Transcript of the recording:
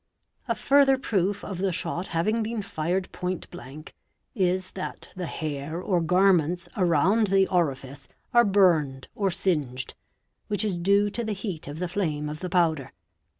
A further proof of the shot having been fired _ point blank, is that the hair or garments around the orifice are burned or / singed, which is due to the heat of the flame of the powder.